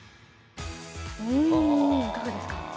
いかがですか？